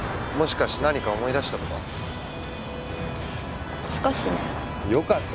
もしかして何か思い出したとか？